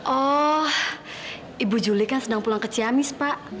oh ibu juli kan sedang pulang ke ciamis pak